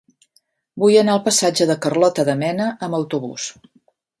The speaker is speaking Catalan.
Vull anar al passatge de Carlota de Mena amb autobús.